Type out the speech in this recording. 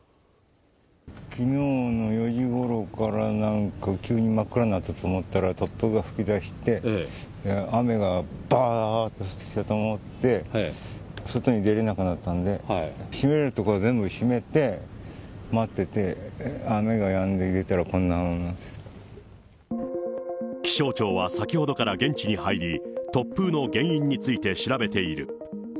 きのうの４時ごろから、なんか急に真っ暗になったと思ったら、突風が吹きだして、雨がばーっと降ってきたと思って、外に出れなくなったんで、閉めるところは全部閉めて、待ってて、雨がやんで出たらこんなふ気象庁は先ほどから現地に入り、突風の原因について調べている。